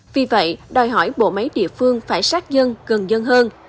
vì vậy đòi hỏi bộ máy địa phương phải sát dân gần dân hơn